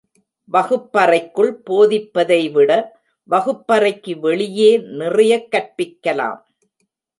வகுப்பறைக்குள் போதிப்பதைவிட வகுப்பறைக்கு வெளியே நிறைய கற்பிக்கலாம்.